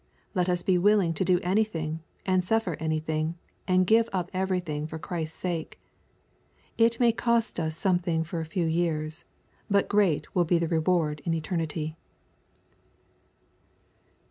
Let us be willing to do anything, and suffer anything: and give up everything for Christ's sake. It may cost us something for a few years, but great will bo the re ward in eternity.